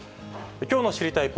きょうの知りたいッ！